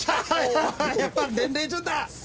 やっぱ年齢順だ！